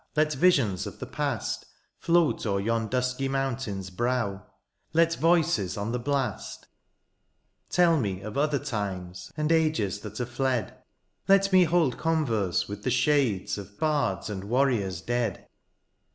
Let visions of the past^ Float o^er yon diisky mountain's brow; Let voices on the blasts Tell me of other times^ And ages that are fled ; Let me hold converse with the shades Of bards and warriors dead.